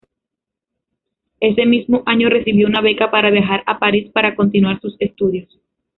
Ese mismo año recibió una beca para viajar a París para continuar sus estudios.